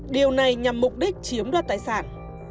điều này nhằm mục đích chiếm đoàn tài khoản